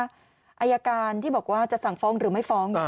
อายการที่บอกว่าจะสั่งฟ้องหรือไม่ฟ้อง